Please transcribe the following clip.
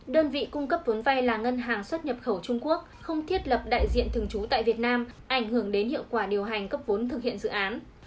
đơn vị cung cấp vốn vay là ngân hàng xuất nhập khẩu trung quốc không thiết lập đại diện thường trú tại việt nam ảnh hưởng đến hiệu quả điều hành cấp vốn thực hiện dự án